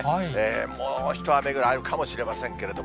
もう一雨ぐらいあるかもしれませんけれども。